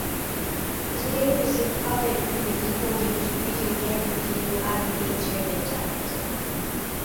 The game received "average" reviews according to video game review aggregator Metacritic.